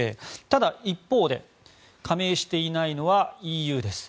ただ、一方で加盟していないのはＥＵです。